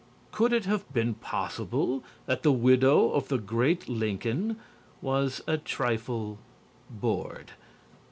Could it have been possible that the widow of the great Lincoln was a trifle bored?